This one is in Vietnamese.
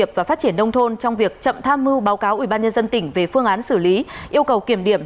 tham mưu báo cáo ubnd tỉnh về phương án xử lý yêu cầu kiểm điểm